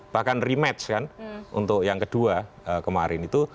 bahkan rematch kan untuk yang kedua kemarin itu